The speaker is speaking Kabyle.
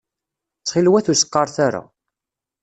Ttxil-wet ur s-qqaṛet ara.